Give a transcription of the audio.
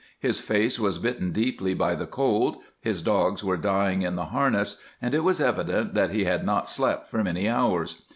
His face was bitten deeply by the cold, his dogs were dying in the harness, and it was evident that he had not slept for many hours.